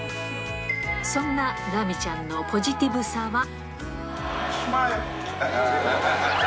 そんなラミちゃんのポジティブさは。